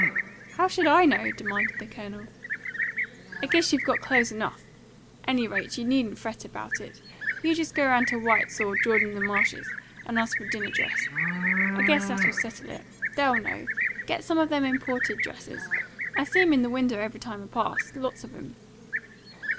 "How should I know?" demanded the Colonel. "I guess you've got clothes enough. Any rate, you needn't fret about it. You just go round to White's or Jordan & Marsh's, and ask for a dinner dress. I guess that'll settle it; they'll know. Get some of them imported dresses. I see 'em in the window every time I pass; lots of 'em."